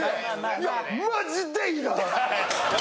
いやマジでいらん！